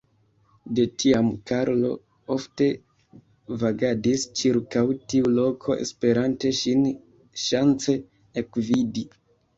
De tiam Karlo ofte vagadis ĉirkaŭ tiu loko, esperante ŝin ŝance ekvidi.